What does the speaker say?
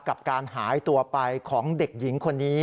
กับการหายตัวไปของเด็กหญิงคนนี้